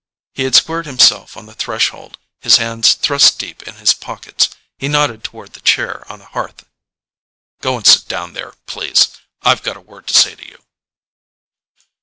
He had squared himself on the threshold, his hands thrust deep in his pockets. He nodded toward the chair on the hearth. "Go and sit down there, please: I've got a word to say to you."